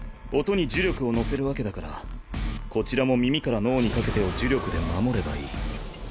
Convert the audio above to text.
音に呪力を乗せるわけだからこちらも耳から脳にかけてを呪力で守ればいい。